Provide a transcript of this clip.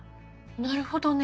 なるほどね。